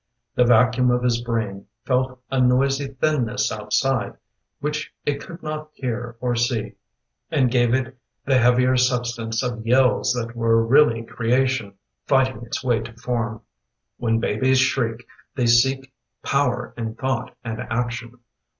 The vacuum of his brain Felt a noisy thinness outside, Which it could not hear or see, And gave it the heavier substance Of yells that were really creation Fighting its way to form. (When babies shriek they seek Power in thought and action.